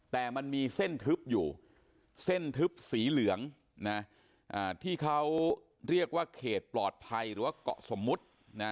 แต่มันมีเส้นทึบอยู่เส้นทึบสีเหลืองที่เขาเรียกว่าเขตปลอดภัยหรือว่าเกาะสมมุตินะ